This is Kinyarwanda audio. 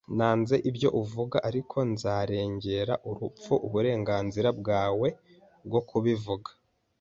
Nanze ibyo uvuga, ariko nzarengera urupfu uburenganzira bwawe bwo kubivuga.